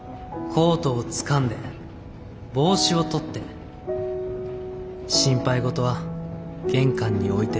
「コートをつかんで帽子を取って心配事は玄関に置いて」。